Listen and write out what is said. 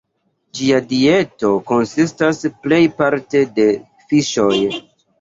Ĝia dieto konsistas plejparte de fiŝoj.